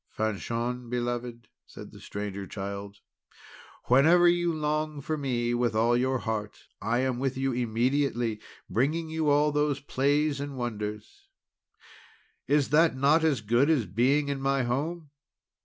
"Fanchon, beloved," said the Stranger Child, "whenever you long for me with all your heart, I am with you immediately, bringing you all those plays and wonders. Is that not as good as being in my home?"